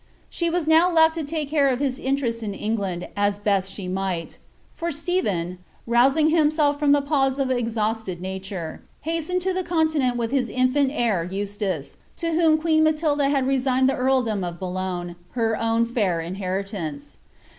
She was now left to take care of his interests in England as best she might ; for Ste phen, rousing himself from the pause of exhausted nature, hastened to the continent with his infant heir Eustace, to whom queen Matilda had resigned the earldom of Boulogne, her own fair inheritance.